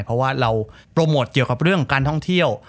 เพราะว่าเราโปรโมทเกี่ยวกับเรื่องการท่องเที่ยว